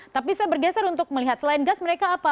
tapi saya bergeser untuk melihat selain gas mereka apa